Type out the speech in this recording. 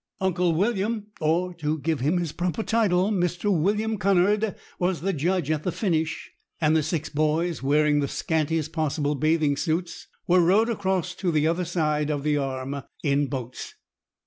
Uncle William (or, to give him his proper title, Mr. William Cunard) was the judge at the finish, and the six boys, wearing the scantiest possible bathing suits, were rowed across to the other side of the Arm in boats.